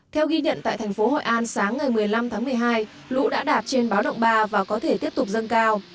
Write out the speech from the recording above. theo ghi nhận tại thành phố hội an sáng ngày một mươi năm tháng một mươi hai lũ đã đạt trên báo động ba và có thể tiếp tục dâng cao